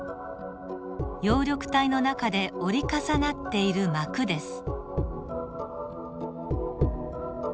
葉緑体の中で折り重なっている膜です。